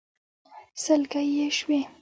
سلګۍ يې شوې.